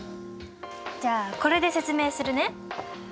じゃあこれで説明するね。